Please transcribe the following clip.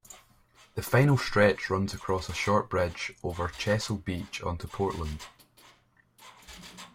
The final stretch runs across a short bridge over Chesil beach onto Portland.